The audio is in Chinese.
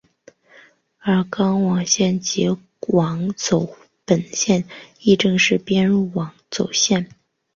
而钏网线及网走本线亦正式编入网走本线。